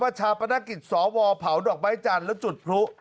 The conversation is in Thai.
ชาปนกิจสวเผาดอกไม้จันทร์และจุดพลุ